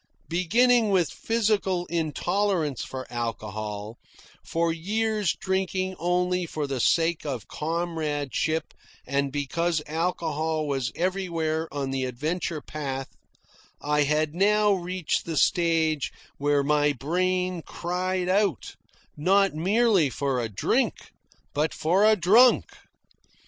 Beginning with physical intolerance for alcohol, for years drinking only for the sake of comradeship and because alcohol was everywhere on the adventure path, I had now reached the stage where my brain cried out, not merely for a drink, but for a drunk.